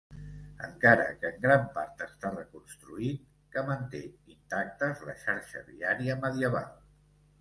Encara que en gran part està reconstruït, que manté intactes la xarxa viària medieval.